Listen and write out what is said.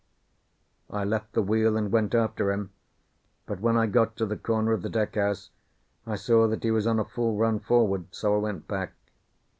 I left the wheel and went after him, but when I got to the corner of the deck house I saw that he was on a full run forward, so I went back.